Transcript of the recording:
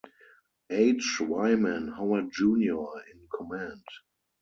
H. Wyman Howard Junior in command.